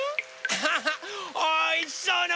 ハハハおいしそうな